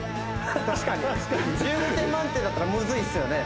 確かに１５点満点だったらムズいっすよね